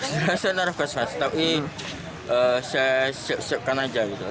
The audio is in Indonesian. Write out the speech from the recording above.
saya nergasa tapi saya siapkan aja gitu